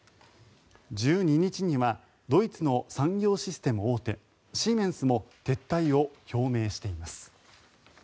１２日にはドイツの産業システム大手シーメンスも撤退を表明しています。